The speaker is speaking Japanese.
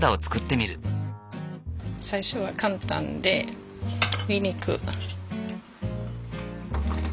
最初は簡単でにんにく。